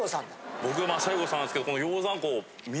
僕まあ西郷さんなんですけど。